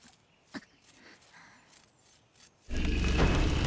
あっ！